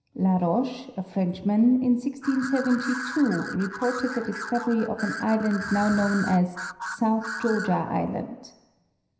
La Roche, a Frenchman, in 1672 reported the discovery of an island now known as South Georgia island.